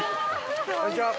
こんにちは。